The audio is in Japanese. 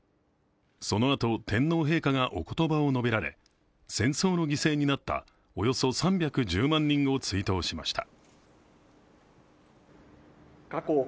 そのあと天皇陛下がおことばを述べられ戦争の犠牲になったおよそ３１０万人を追悼しました。